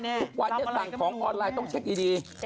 ทุกวันนี้สั่งของออนไลน์ต้องเช็คดี